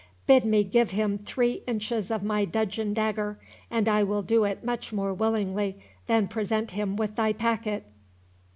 —Bid me give him three inches of my dudgeon dagger, and I will do it much more willingly than present him with thy packet."